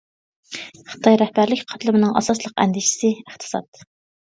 خىتاي رەھبەرلىك قاتلىمىنىڭ ئاساسلىق ئەندىشىسى ئىقتىساد.